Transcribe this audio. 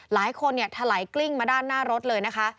หลายคนเนี่ยถลายกลิ้งมาด้านหน้ารถเลยนะคะ